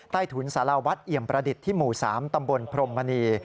ถุนสารวัตรเอี่ยมประดิษฐ์ที่หมู่๓ตำบลพรมมณี